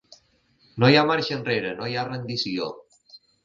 No hi ha marxa enrere, no hi ha rendició.